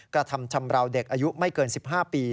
กระทำชำราวเด็กอายุไม่เกิน๑๕ปี